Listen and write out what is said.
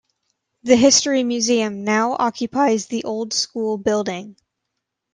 The history museum now occupies the old school building.